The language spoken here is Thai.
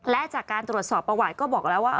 และจากการตรวจสอบประวัติก็บอกแล้วว่า